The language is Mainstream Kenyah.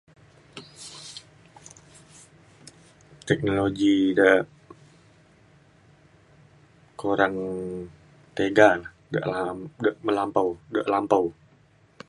teknologi da kurang tiga le de lam- melampau de lampau